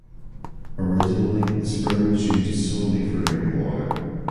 Originally the spring was used solely for drinking water.